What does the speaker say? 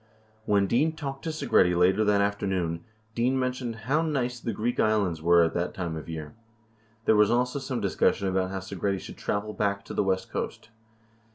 65 When Dean talked to Segretti later that afternoon, Dean mentioned how "nice the Greek Islands were at that time of the year." 66 There was also some discussion about how Segretti should travel back to the west coast.